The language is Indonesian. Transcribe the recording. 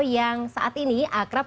yang saat ini akrab